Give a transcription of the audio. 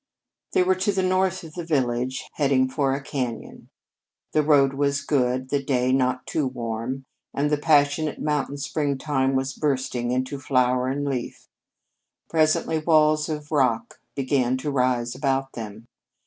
They were to the north of the village, heading for a cañon. The road was good, the day not too warm, and the passionate mountain springtime was bursting into flower and leaf. Presently walls of rock began to rise about them.